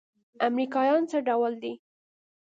امريکايان څه ډول دي.